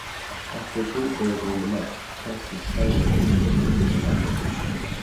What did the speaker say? After Goldberg won the match Test and Steiner would officially disband.